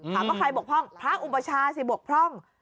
ใครบกพร่องพระอุปชาสิบกพร่อง